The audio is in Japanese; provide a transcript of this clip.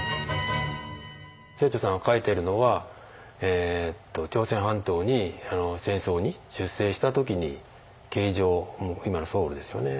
清張さんが書いてるのは朝鮮半島に戦争に出征した時に京城今のソウルですよね。